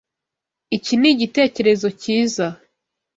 Iki ni igitekerezo cyiza.